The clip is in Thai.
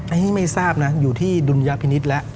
อันนี้ไม่ทราบนะอยู่ที่ดุลยพินิษฐ์แล้ว